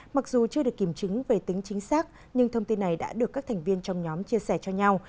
mặc dù chưa được kiểm chứng về tính chính xác nhưng thông tin này đã được các thành viên trong nhóm chia sẻ cho nhau